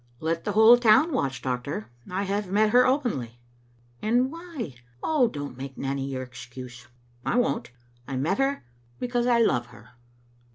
" Let the whole town watch, doctor. I have met her openly." " And why? Oh, don't make Nanny your excuse." " I won't. I met her because I love her."